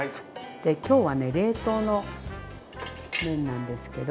今日はね冷凍の麺なんですけど。